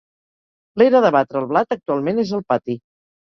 L'era de batre el blat actualment és el pati.